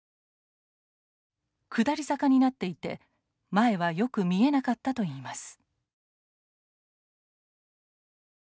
下り坂になっていて前はよく見えなかったといいます。